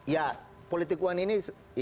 ya politik uang ini